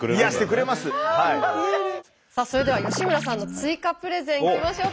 それでは吉村さんの追加プレゼンいきましょうか。